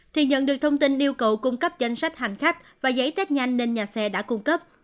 thì nhận được thông tin yêu cầu cung cấp danh sách hành khách và giấy tết nhanh nên nhà xe đã cung cấp